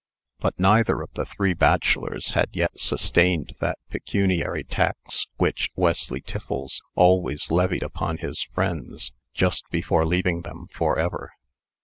But neither of the three bachelors had yet sustained that pecuniary tax which Wesley Tiffles always levied upon his friends, just before leaving them forever.